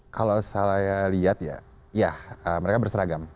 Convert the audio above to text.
kalau saya lihat ya ya mereka berseragam